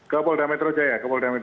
ke polda metro jaya